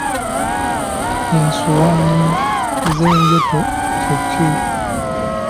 Ensowaanyi z'enjoto kye kki?